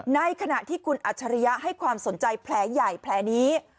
ในขณะที่คุณอัจฉริยะให้ความสนใจแผลใหญ่แผลนี้